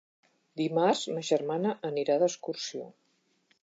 Dimarts ma germana anirà d'excursió.